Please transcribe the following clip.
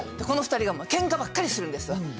この２人がケンカばっかりするんですわ